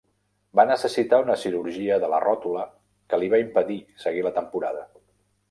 Va necessitar una cirurgia de la ròtula que li va impedir seguir la temporada.